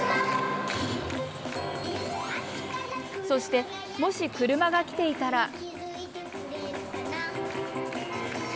そしてもし車が来ていたら。